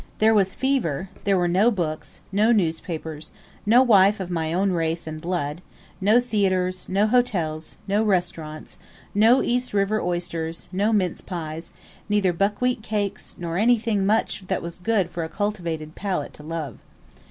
There was fever; there were no books, no newspapers, no wife of my own race and blood, no theatres, no hotels, no restaurants, no East River oysters, no mince pies, neither buckwheat cakes, nor anything much that was good for a cultivated palate to love.